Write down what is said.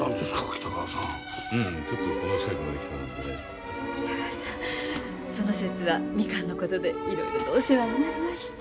北川さんその節はみかんのことでいろいろとお世話になりました。